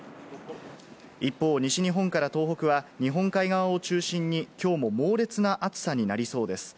一方、西日本から東北は日本海側を中心にきょうも猛烈な暑さになりそうです。